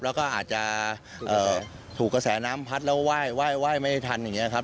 แล้วก็อาจจะถูกกระแสน้ำพัดแล้วไหว้ไม่ได้ทันอย่างนี้ครับ